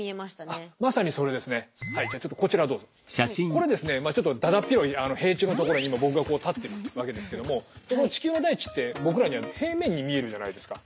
これですねちょっとだだっ広い平地の所に今僕が立ってるわけですけどもこの地球の大地って僕らには平面に見えるじゃないですか。